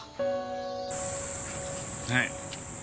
はい。